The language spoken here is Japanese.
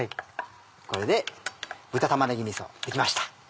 これで豚玉ねぎみそ出来ました。